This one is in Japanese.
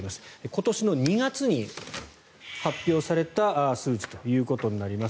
今年２月に発表された数字ということになります。